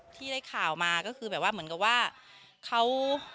ที่ได้ข่าวมาก็คือแบบว่าเหมือนกับว่าเขา